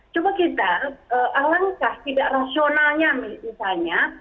coba kita alangkah tidak rasionalnya misalnya